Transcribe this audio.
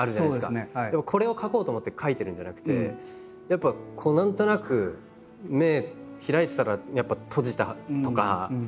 これを描こうと思って描いてるんじゃなくてやっぱこう何となく目開いてたらやっぱ閉じたとか。